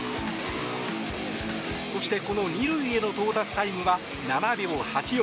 そしてこの２塁への到達タイムは７秒８４。